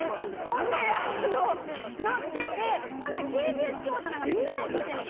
ほんで、乗っててほんなら、ＫＢＳ京都ってみんな知ってんねん。